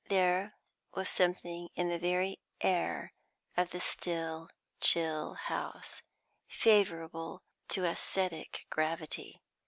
There was something in the very air of the still, chill house favourable to ascetic gravity.